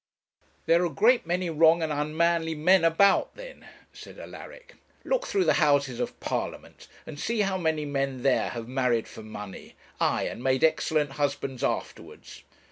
'There are a great many wrong and unmanly men about, then,' said Alaric. 'Look through the Houses of Parliament, and see how many men there have married for money; aye, and made excellent husbands afterwards.